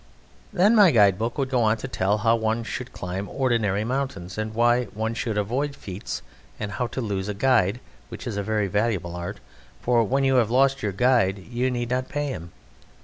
Then my guide book would go on to tell how one should climb ordinary mountains, and why one should avoid feats; and how to lose a guide which is a very valuable art, for when you have lost your guide you need not pay him.